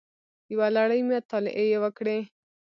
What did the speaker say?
یوه لړۍ مطالعې یې وکړې